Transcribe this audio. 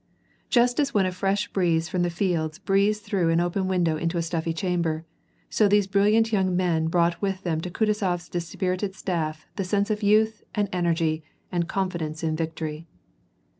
Just as when a fresh breeze from the fields breathes through an open window into a stuffy chamber, so these brilliant young men brought with them to Kutuzof's dispirited staff the sense of youth and energy and confidence in victory.